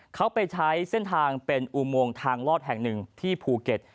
เขาไปใช้เส้นทางเป็นอุโมงทางลอดแห่งหนึ่งที่ภูเก็ต